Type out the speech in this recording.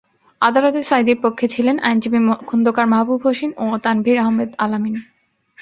আদালতে সাঈদীর পক্ষে ছিলেন আইনজীবী খন্দকার মাহবুব হোসেন ও তানভীর আহম্মেদ আলামিন।